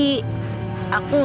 aku gak mau pulang